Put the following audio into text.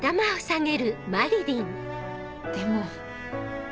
でも。